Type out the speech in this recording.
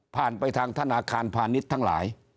ไปทางธนาคารพาณิชย์ทั้งหลาย